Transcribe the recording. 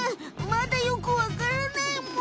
まだよくわからないむ。